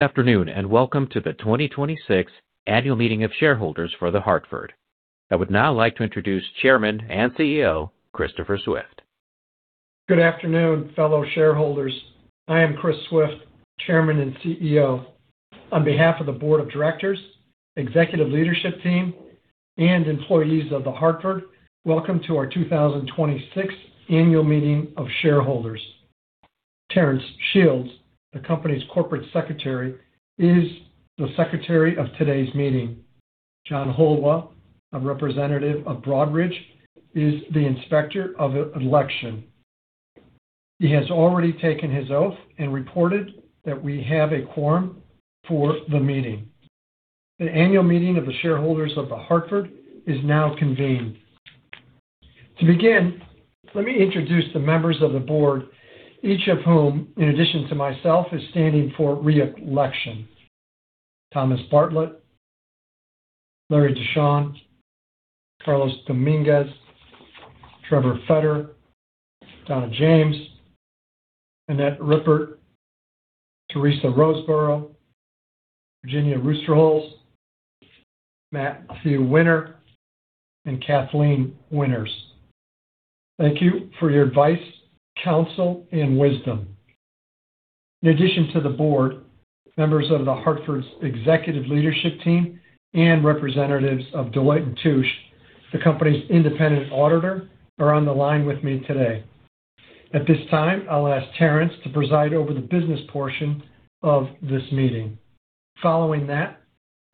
Good afternoon, and welcome to the 2026 Annual Meeting of Shareholders for The Hartford. I would now like to introduce Chairman and CEO, Christopher Swift. Good afternoon, fellow shareholders. I am Christopher Swift, Chairman and CEO. On behalf of the board of directors, executive leadership team, and employees of The Hartford, welcome to our 2026 Annual Meeting of Shareholders. Terence Shields, the company's corporate secretary, is the secretary of today's meeting. John Holdwa, a representative of Broadridge, is the inspector of election. He has already taken his oath and reported that we have a quorum for the meeting. The annual meeting of the shareholders of The Hartford is now convened. To begin, let me introduce the members of the board, each of whom, in addition to myself, is standing for re-election. Thomas Bartlett, Larry D. De Shon, Carlos Dominguez, Trevor Fetter, Donna James, Annette Rippert, Teresa Wynn Roseborough, Virginia Ruesterholz, Matthew E. Winter, and Kathleen Winters. Thank you for your advice, counsel, and wisdom. In addition to the board, members of The Hartford's executive leadership team and representatives of Deloitte & Touche, the company's independent auditor, are on the line with me today. At this time, I'll ask Terence to preside over the business portion of this meeting. Following that,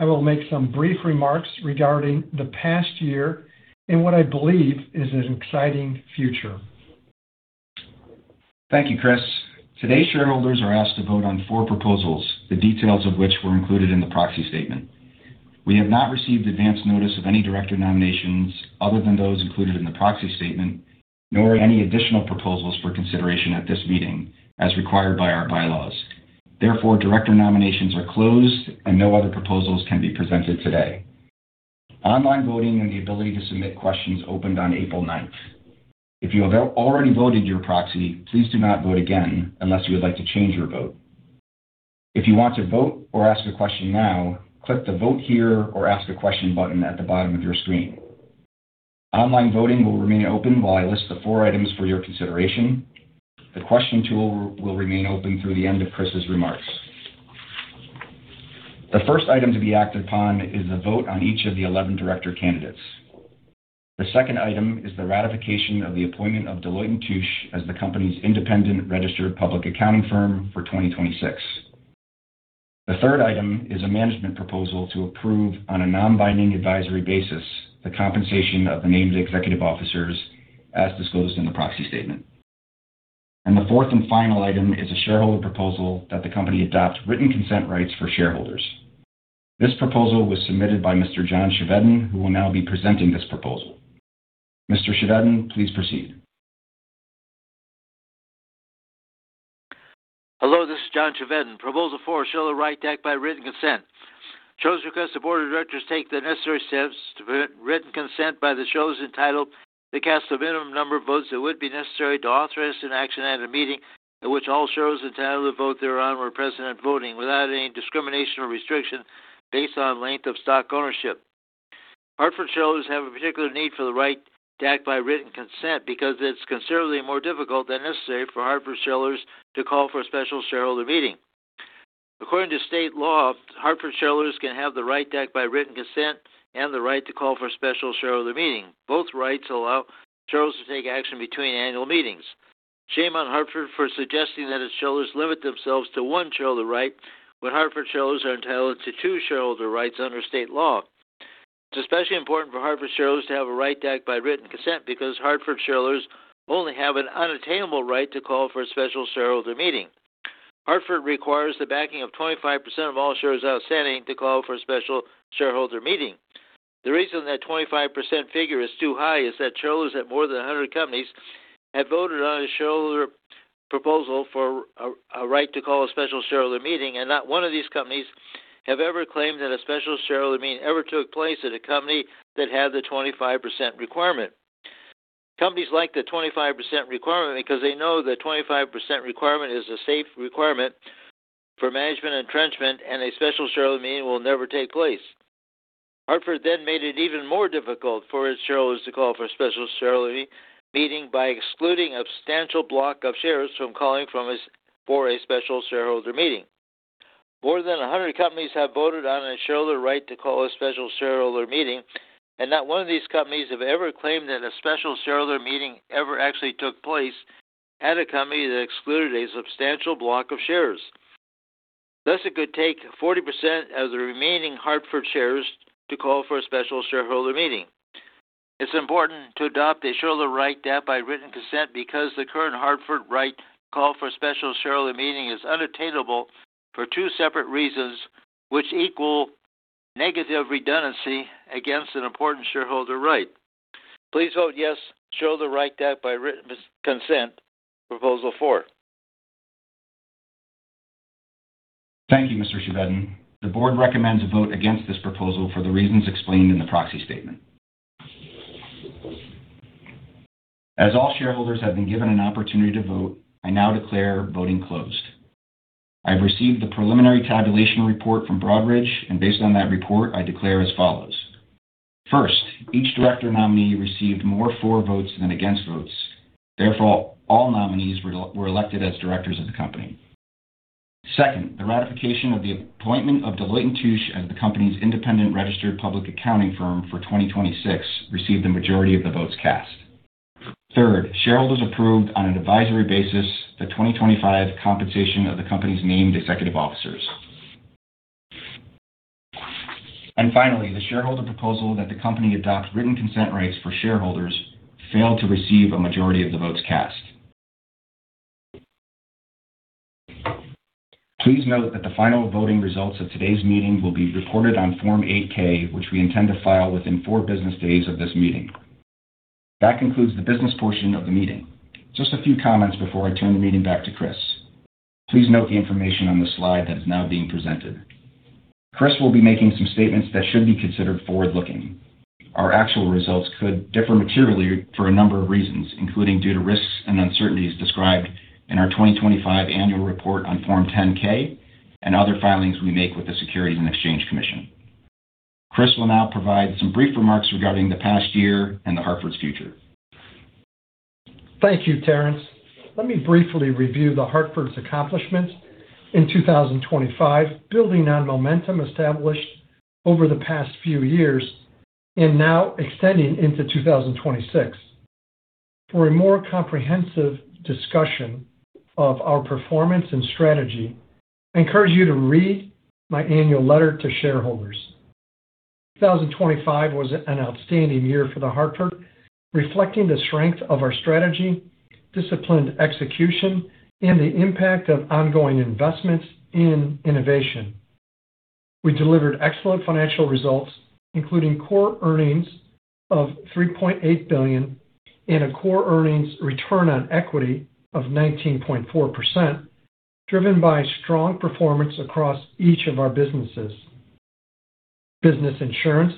I will make some brief remarks regarding the past year and what I believe is an exciting future. Thank you, Chris. Today, shareholders are asked to vote on four proposals, the details of which were included in the proxy statement. We have not received advance notice of any director nominations other than those included in the proxy statement, nor any additional proposals for consideration at this meeting, as required by our bylaws. Therefore, director nominations are closed, and no other proposals can be presented today. Online voting and the ability to submit questions opened on April 9th. If you have already voted your proxy, please do not vote again unless you would like to change your vote. If you want to vote or ask a question now, click the Vote Here or Ask a Question button at the bottom of your screen. Online voting will remain open while I list the four items for your consideration. The question tool will remain open through the end of Chris's remarks. The first item to be acted upon is a vote on each of the 11 director candidates. The second item is the ratification of the appointment of Deloitte & Touche as the company's independent registered public accounting firm for 2026. The third item is a management proposal to approve on a non-binding advisory basis the compensation of the named executive officers as disclosed in the proxy statement. The fourth and final item is a shareholder proposal that the company adopt written consent rights for shareholders. This proposal was submitted by Mr. John Chevedden, who will now be presenting this proposal. Mr. Chevedden, please proceed. Hello, this is John Chevedden. Proposal 4, shareholder right to act by written consent. Shareholders request the Board of Directors take the necessary steps to permit written consent by the shareholders entitled to cast the minimum number of votes that would be necessary to authorize an action at a meeting at which all shareholders entitled to vote thereon were present at voting, without any discrimination or restriction based on length of stock ownership. Hartford shareholders have a particular need for the right to act by written consent because it's considerably more difficult than necessary for Hartford shareholders to call for a special shareholder meeting. According to state law, Hartford shareholders can have the right to act by written consent and the right to call for a special shareholder meeting. Both rights allow shareholders to take action between annual meetings. Shame on Hartford for suggesting that its shareholders limit themselves to one shareholder right when Hartford shareholders are entitled to two shareholder rights under state law. It's especially important for Hartford shareholders to have a right to act by written consent because Hartford shareholders only have an unattainable right to call for a special shareholder meeting. Hartford requires the backing of 25% of all shares outstanding to call for a special shareholder meeting. The reason that 25% figure is too high is that shareholders at more than 100 companies have voted on a shareholder proposal for a right to call a special shareholder meeting, not 1 of these companies have ever claimed that a special shareholder meeting ever took place at a company that had the 25% requirement. Companies like the 25% requirement because they know the 25% requirement is a safe requirement for management entrenchment, and a special shareholder meeting will never take place. Hartford made it even more difficult for its shareholders to call for a special shareholder meeting by excluding a substantial block of shares from calling for a special shareholder meeting. More than 100 companies have voted on a shareholder right to call a special shareholder meeting, and not one of these companies have ever claimed that a special shareholder meeting ever actually took place at a company that excluded a substantial block of shares. It could take 40% of the remaining Hartford shares to call for a special shareholder meeting. It's important to adopt a shareholder right to act by written consent because the current The Hartford right to call for a special shareholder meeting is unattainable for two separate reasons, which equal negative redundancy against an important shareholder right. Please vote yes, shareholder right to act by written consent, proposal 4. Thank you, Mr. Chevedden. The board recommends a vote against this proposal for the reasons explained in the proxy statement. As all shareholders have been given an opportunity to vote, I now declare voting closed. I have received the preliminary tabulation report from Broadridge, and based on that report, I declare as follows. First, each director nominee received more for votes than against votes. Therefore, all nominees were elected as directors of the company. Second, the ratification of the appointment of Deloitte & Touche as the company's independent registered public accounting firm for 2026 received the majority of the votes cast. Third, shareholders approved on an advisory basis the 2025 compensation of the company's named executive officers. Finally, the shareholder proposal that the company adopt written consent rights for shareholders failed to receive a majority of the votes cast. Please note that the final voting results of today's meeting will be reported on Form 8-K, which we intend to file within four business days of this meeting. That concludes the business portion of the meeting. Just a few comments before I turn the meeting back to Chris. Please note the information on the slide that is now being presented. Chris will be making some statements that should be considered forward-looking. Our actual results could differ materially for a number of reasons, including due to risks and uncertainties described in our 2025 annual report on Form 10-K and other filings we make with the Securities and Exchange Commission. Chris will now provide some brief remarks regarding the past year and The Hartford's future. Thank you, Terence. Let me briefly review The Hartford's accomplishments in 2025, building on momentum established over the past few years and now extending into 2026. For a more comprehensive discussion of our performance and strategy, I encourage you to read my annual letter to shareholders. 2025 was an outstanding year for The Hartford, reflecting the strength of our strategy, disciplined execution, and the impact of ongoing investments in innovation. We delivered excellent financial results, including core earnings of $3.8 billion and a core earnings return on equity of 19.4%, driven by strong performance across each of our businesses. Business insurance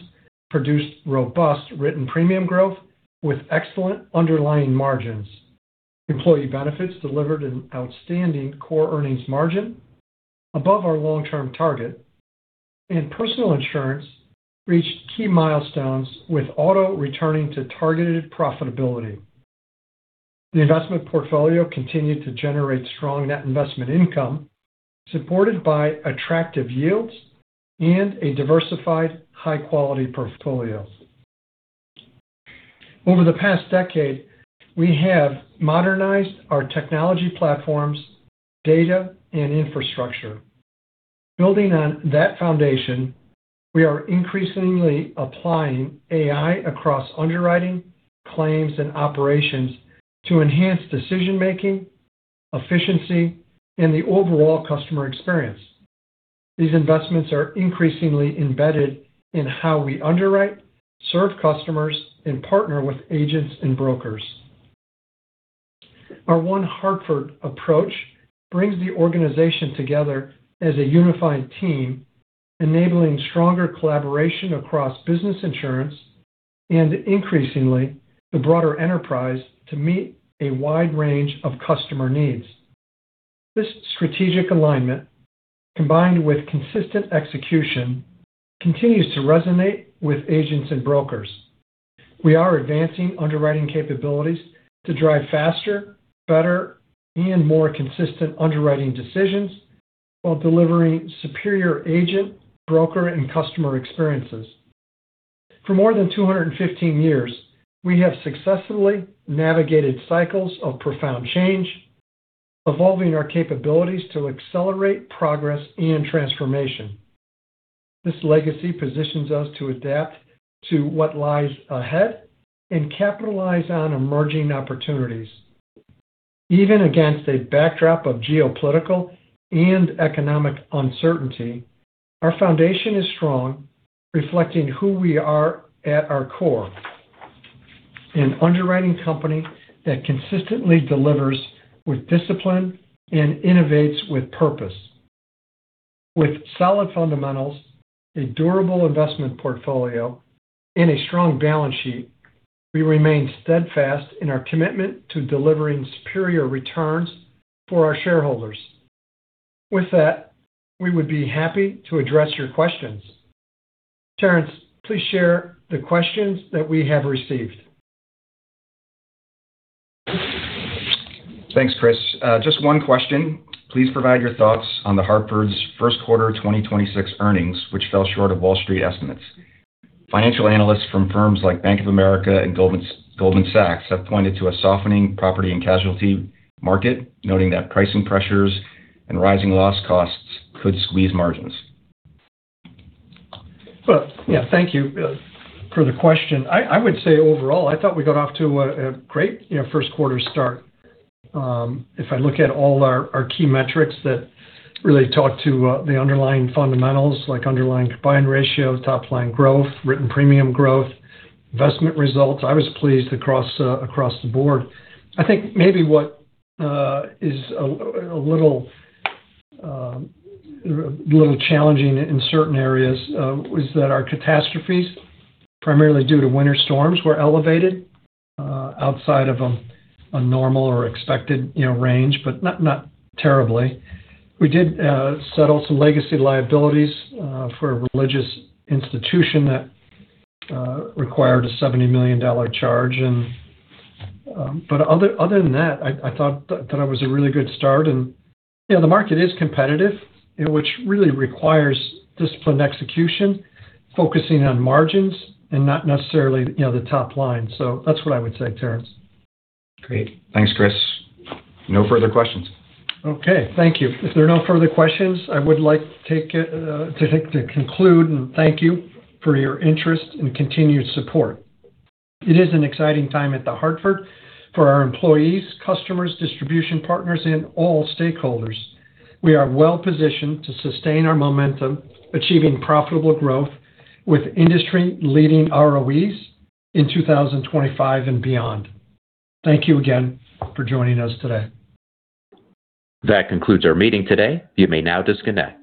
produced robust written premium growth with excellent underlying margins. Employee benefits delivered an outstanding core earnings margin above our long-term target. Personal insurance reached key milestones, with auto returning to targeted profitability. The investment portfolio continued to generate strong net investment income, supported by attractive yields and a diversified high-quality portfolio. Over the past decade, we have modernized our technology platforms, data, and infrastructure. Building on that foundation, we are increasingly applying AI across underwriting, claims, and operations to enhance decision-making, efficiency, and the overall customer experience. These investments are increasingly embedded in how we underwrite, serve customers, and partner with agents and brokers. Our One Hartford approach brings the organization together as a unified team, enabling stronger collaboration across business insurance and, increasingly, the broader enterprise to meet a wide range of customer needs. This strategic alignment, combined with consistent execution, continues to resonate with agents and brokers. We are advancing underwriting capabilities to drive faster, better, and more consistent underwriting decisions while delivering superior agent, broker, and customer experiences. For more than 215 years, we have successfully navigated cycles of profound change, evolving our capabilities to accelerate progress and transformation. This legacy positions us to adapt to what lies ahead and capitalize on emerging opportunities. Even against a backdrop of geopolitical and economic uncertainty, our foundation is strong, reflecting who we are at our core. An underwriting company that consistently delivers with discipline and innovates with purpose. With solid fundamentals, a durable investment portfolio, and a strong balance sheet, we remain steadfast in our commitment to delivering superior returns for our shareholders. With that, we would be happy to address your questions. Terence, please share the questions that we have received. Thanks, Chris. Just one question. Please provide your thoughts on The Hartford's first quarter 2026 earnings, which fell short of Wall Street estimates. Financial analysts from firms like Bank of America and Goldman Sachs have pointed to a softening property and casualty market, noting that pricing pressures and rising loss costs could squeeze margins. Well, yeah, thank you for the question. I would say overall, I thought we got off to a great first quarter start. If I look at all our key metrics that really talk to the underlying fundamentals, like underlying combined ratio, top line growth, written premium growth, investment results, I was pleased across the board. I think maybe what is a little challenging in certain areas was that our catastrophes, primarily due to winter storms, were elevated outside of a normal or expected range, but not terribly. We did settle some legacy liabilities for a religious institution that required a $70 million charge. Other than that, I thought that it was a really good start. The market is competitive, which really requires disciplined execution, focusing on margins and not necessarily the top line. That's what I would say, Terence. Great. Thanks, Chris. No further questions. Okay. Thank you. If there are no further questions, I would like to conclude and thank you for your interest and continued support. It is an exciting time at The Hartford for our employees, customers, distribution partners, and all stakeholders. We are well-positioned to sustain our momentum, achieving profitable growth with industry-leading ROEs in 2025 and beyond. Thank you again for joining us today. That concludes our meeting today. You may now disconnect.